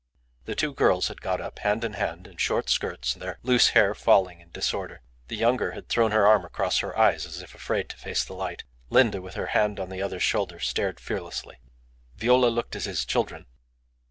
The two girls had got up, hand in hand, in short skirts, their loose hair falling in disorder. The younger had thrown her arm across her eyes, as if afraid to face the light. Linda, with her hand on the other's shoulder, stared fearlessly. Viola looked at his children.